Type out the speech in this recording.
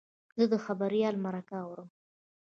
زه د خبریال مرکه اورم.